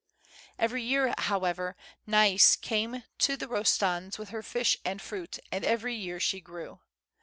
Every year, however, Nais came to the Rostands' with her fish and fruit, and every year she grew.